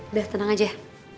udah tenang aja ya